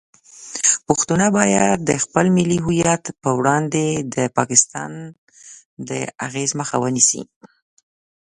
پښتانه باید د خپل ملي هویت په وړاندې د پاکستان د اغیز مخه ونیسي.